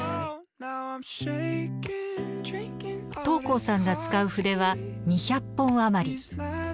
桃紅さんが使う筆は２００本余り。